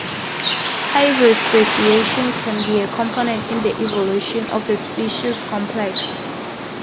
Hybrid speciation can be a component in the evolution of a species complex.